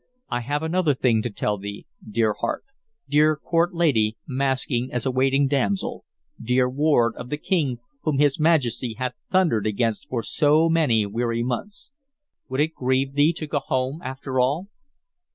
I have another thing to tell thee, dear heart, dear court lady masking as a waiting damsel, dear ward of the King whom his Majesty hath thundered against for so many weary months. Would it grieve thee to go home, after all?"